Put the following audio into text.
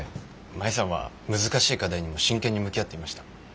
舞さんは難しい課題にも真剣に向き合っていました。